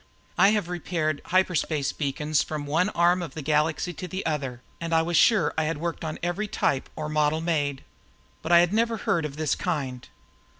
I have repaired hyperspace beacons from one arm of the Galaxy to the other and was sure I had worked on every type or model made. But I had never heard of this kind.